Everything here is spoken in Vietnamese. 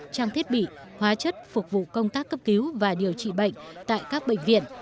trang thiết bị hóa chất phục vụ công tác cấp cứu và điều trị bệnh tại các bệnh viện